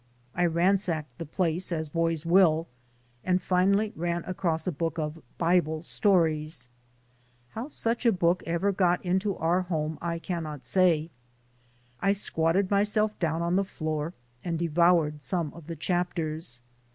I ransacked the place, as boys will, and finally ran across a book of "Bible stories." How such a book ever got into our home I cannot say. I squatted myself down on the floor and devoured some of the chapters.